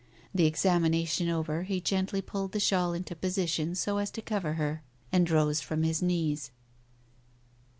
The examination over, he gently pulled the shawl into position so as to cover her, and rose from his knees.